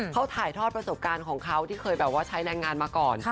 เขาถ่ายทอดประสบการณ์ของเขาที่เคยแบบว่าใช้แรงงานมาก่อน